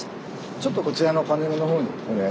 ちょっとこちらのパネルの方にお願いします。